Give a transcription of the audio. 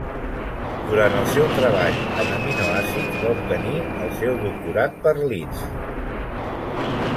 Durant el seu treball en aminoàcids va obtenir el seu doctorat per Leeds.